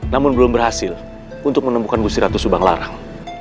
namun belum berhasil untuk menemukan busiratus subang larang